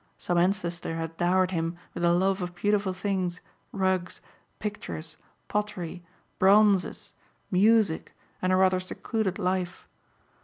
Some ancestor had dowered him with a love of beautiful things, rugs, pictures, pottery, bronzes, music and a rather secluded life.